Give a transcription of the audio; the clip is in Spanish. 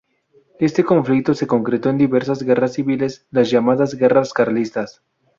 Este conflicto se concretó en diversas guerras civiles, las llamadas Guerras Carlistas.